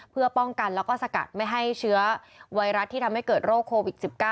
เพื่อป้องกันแล้วก็สกัดไม่ให้เชื้อไวรัสที่ทำให้เกิดโรคโควิด๑๙